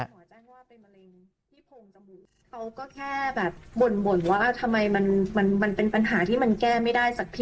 เขาก็แค่แบบบ่นว่าทำไมมันเป็นปัญหาที่แก้ไม่ได้สักที